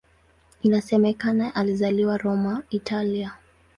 Inasemekana alizaliwa Roma, Italia.